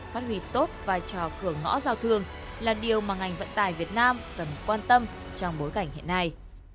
phát huy tốt vai trò cửa ngõ giao thương là điều mà ngành vận tải việt nam cần quan tâm trong bối cảnh hiện nay